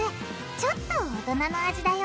ちょっと大人の味だよ